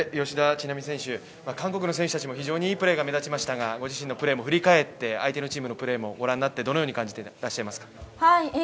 吉田知那美選手、韓国の選手たちも非常にいいプレーが目立ちましたがご自身のプレーも振り返って、相手のチームのプレーもご覧になってどのように感じてらっしゃいますか？